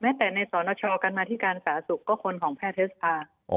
แม้แต่ในสอนชอกันมาที่การสาธุก็คนของแพทยศภาษณ์